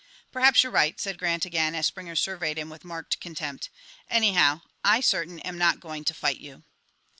"Perhaps you're right," said Grant again, as Springer surveyed him with marked contempt. "Anyhow, I certain am not going to fight you."